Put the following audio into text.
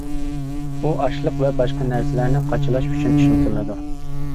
ئۇ ئاشلىق ۋە باشقا نەرسىلەرنى قاچىلاش ئۈچۈن ئىشلىتىلىدۇ.